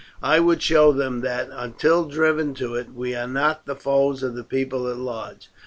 I would show them that, until driven to it, we are not the foes of the people at large.